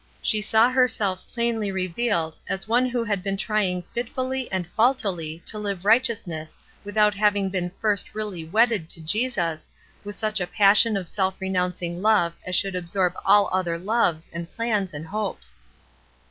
She saw herself plainly revealed as one who had been trying fit fully and faultily to live righteousness without having been first really wedded to Jesus, with such a passion of self renouncing love as should absorb all other loves and plans and hopes.